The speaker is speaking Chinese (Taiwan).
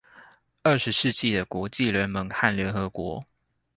二十世紀的國際聯盟和聯合國